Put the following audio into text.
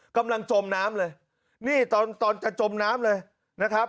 กำลังจมน้ำเลยนี่ตอนจะจมน้ำเลยนะครับ